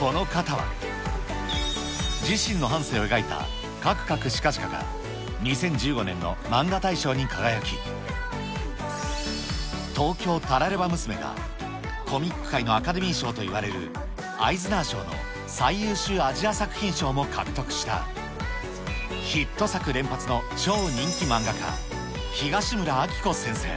この方は、自身の半生を描いたかくかくしかじかが、２０１５年のマンガ大賞に輝き、東京タラレバ娘が、コミック界のアカデミー賞といわれる、アイズナー賞の最優秀アジア作品賞も獲得したヒット作連発の超人気漫画家、東村アキコ先生。